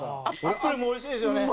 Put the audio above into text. アップルもおいしいですよね。